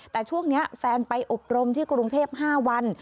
แต่ช่วงนี้แฟนไปอบรมที่กรุงเทพ๕วัน